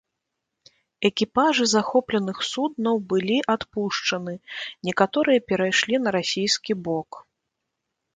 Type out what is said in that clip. Экіпажы захопленых суднаў былі адпушчаны, некаторыя перайшлі на расійскі бок.